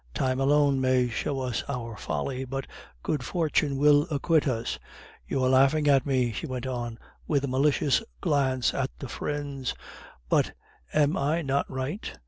Time alone may show us our folly, but good fortune will acquit us. You are laughing at me," she went on, with a malicious glance at the friends; "but am I not right?